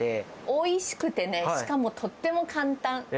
おいしくてね、しかもとっても簡単。